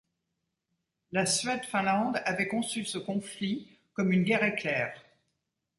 La Suède-Finlande avait conçu ce conflit comme une guerre éclair.